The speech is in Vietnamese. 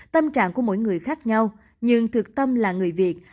tâm trạng của mỗi người khác nhau nhưng thực tâm là người việt